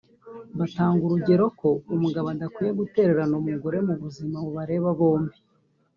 Batanga urugero ko umugabo adakwiye gutererana umugore mu buzima bubareba bombi